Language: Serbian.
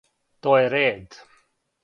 То је ред.